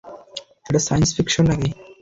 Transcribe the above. এটা science fiction নাকি?